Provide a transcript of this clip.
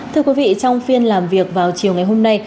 thưa quý vị trong phiên làm việc vào chiều ngày hôm nay